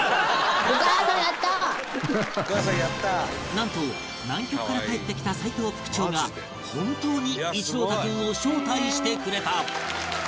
なんと南極から帰ってきた齋藤副長が本当に一朗太君を招待してくれた